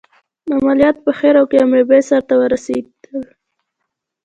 عملیات په خیر او کامیابۍ سرته ورسېدل.